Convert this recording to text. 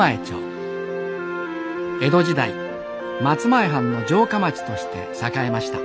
江戸時代松前藩の城下町として栄えました。